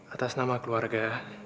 atas nama keluarga